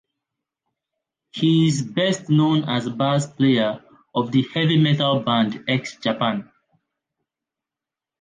He is best known as bass player of the heavy metal band X Japan.